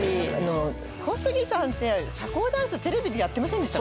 小杉さんって社交ダンステレビでやってませんでした？